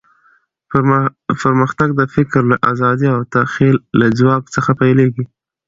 پرمختګ د فکر له ازادۍ او د تخیل له ځواک څخه پیلېږي.